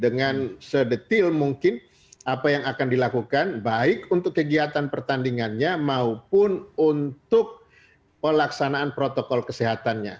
dengan sedetil mungkin apa yang akan dilakukan baik untuk kegiatan pertandingannya maupun untuk pelaksanaan protokol kesehatannya